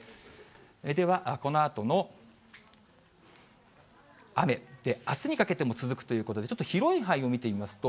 では、このあとの雨、で、あすにかけても続くということで、ちょっと広い範囲を見てみますと、